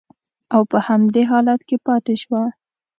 او په همدې حالت کې پاتې شوه